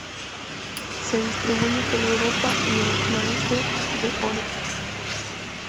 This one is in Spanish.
Se distribuye por Europa y el noroeste de Oriente Próximo.